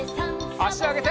あしあげて！